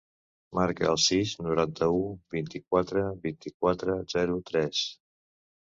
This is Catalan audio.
Marca el sis, noranta-u, vint-i-quatre, vint-i-quatre, zero, tres.